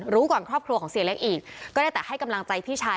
รู้ก่อนครอบครัวของเสียเล็กอีกก็ได้แต่ให้กำลังใจพี่ชาย